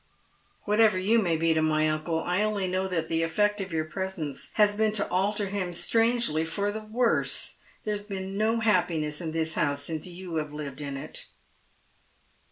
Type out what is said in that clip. " Whatever you may be to my uncle, I only know that the effect of your presence has been to alter him strangely for the worse. There has been no happiness in this house since you have lived in it."